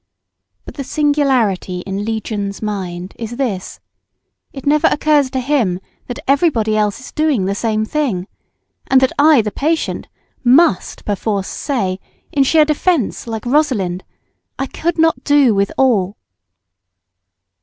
But the singularity in Legion's mind is this: it never occurs to him that everybody else is doing the same thing, and that I the patient must perforce say, in sheer self defence, like Rosalind, "I could not do with all."